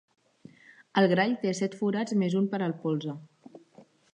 El grall té set forats més un per al polze.